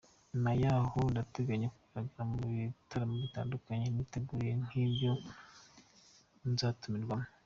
Nyuma y’aho ndateganya kugaragara mu bitaramo bitandukanye niteguriye n’ibyo nzatumirwamo.